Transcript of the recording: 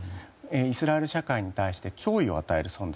イスラエル社会に対して脅威を与える存在